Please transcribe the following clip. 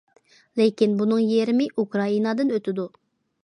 لېكىن بۇنىڭ يېرىمى ئۇكرائىنادىن ئۆتىدۇ.